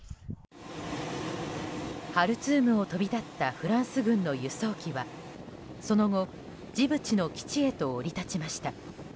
ハルツームを飛び立ったフランス軍の輸送機はその後、ジブチの基地へと降り立ちました。